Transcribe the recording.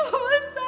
ini kapan aja